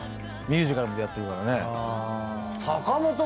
ミュージカルもやってるからね。